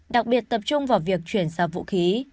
đặc biệt tập trung vào việc chuyển sang vũ khí